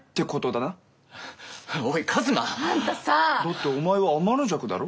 だってお前は天の邪鬼だろ？